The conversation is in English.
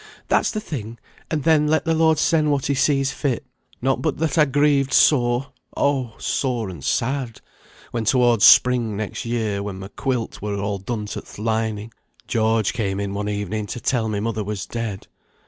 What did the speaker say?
"That's the thing, and then let the Lord send what He sees fit; not but that I grieved sore, oh, sore and sad, when toward spring next year, when my quilt were all done to th' lining, George came in one evening to tell me mother was dead.